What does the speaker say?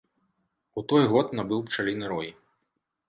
У той год набыў пчаліны рой.